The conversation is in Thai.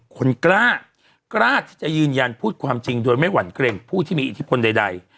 คนกล้ากล้าที่จะยืนยันพูดความจริงโดยไม่หวั่นเกร็งผู้ที่มีอิทธิพลใด